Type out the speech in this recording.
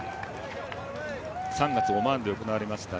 ３月オマーンで行われました